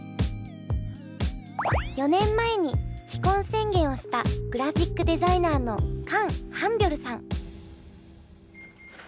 ４年前に非婚宣言をしたグラフィックデザイナーのカン・ハンビョルさん。